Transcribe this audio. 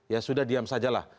ya sudah diam sajalah